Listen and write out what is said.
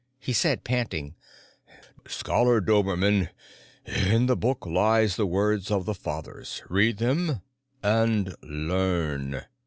He said, panting, "Scholar Dobermann, in the Book lies the words of the Fathers. Read them and learn."